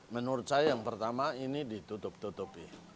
menurut saya yang pertama ini ditutup tutupi